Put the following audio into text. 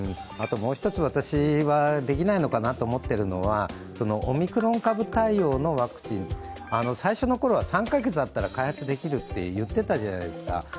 もう一つ、私は、できないのかなと思っているのはオミクロン株対応のワクチン、最初の頃は３カ月あったら開発できるって言っていたじゃないですか。